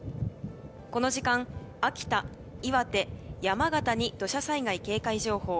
この時間、秋田、岩手、山形に土砂災害警戒情報